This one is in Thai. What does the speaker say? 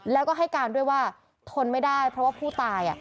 แล้วก็ให้การด้วยว่าทนไม่ได้เพราะว่าผู้ตาย